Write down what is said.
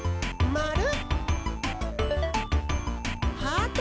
まる！